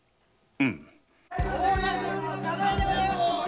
うん。